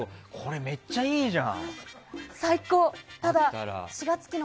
めっちゃいいじゃん！